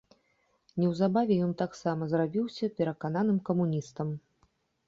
Неўзабаве ён таксама зрабіўся перакананым камуністам.